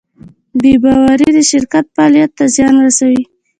بېباورۍ د شرکت فعالیت ته زیان رسوي.